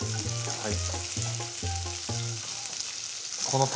はい。